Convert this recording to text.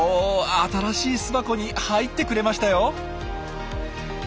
新しい巣箱に入ってくれましたよ。